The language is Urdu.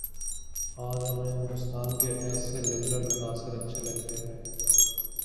آج ہمیں ہندوستان کے ایسے لبرل عناصر اچھے لگتے ہیں